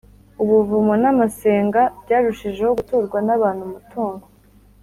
ubuvumo n amasenga byarushijeho guturwa n abantu Umutungo